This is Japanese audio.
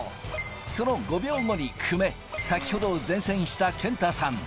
その５秒後に久米、先ほど善戦した、けんたさん。